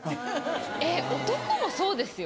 えっ男もそうですよ。